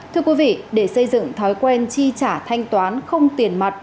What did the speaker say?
thưa quý vị để xây dựng thói quen chi trả thanh toán không tiền mặt